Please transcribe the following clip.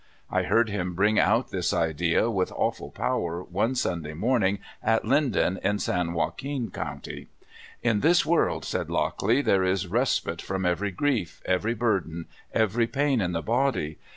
I heard him bring out this idea with awful power one Sunday morning at Linden, in San Joaquin County. '* In this w^orld," said Lockley, " there is respite from every grief, every burden, every pain in the body.